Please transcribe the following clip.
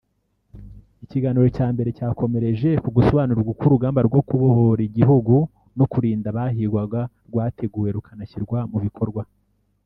Ikiganiro cya mbere cyakomereje ku gusobanurirwa uko urugamba rwo kubohora igihugu no kurinda abahigwaga rwateguwe rukanashyirwa mu bikorwa